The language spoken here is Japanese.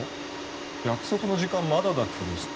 約束の時間まだだった気がする。